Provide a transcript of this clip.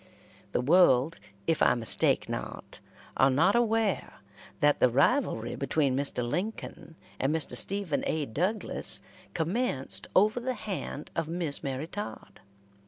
The world, if I mistake not, are not aware that the rivalry between Mr. Lincoln and Mr. Stephen A. Douglas commenced over the hand of Miss Mary Todd.